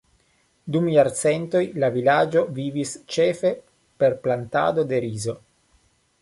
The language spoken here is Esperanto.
Dum jarcentoj, la vilaĝo vivis ĉefe per plantado de rizo.